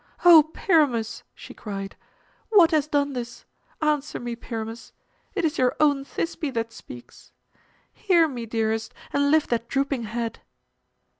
"O Pyramus," she cried, "what has done this? Answer me, Pyramus; it is your own Thisbe that speaks. Hear me, dearest, and lift that drooping head!"